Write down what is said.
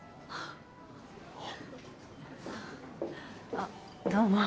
あっどうも。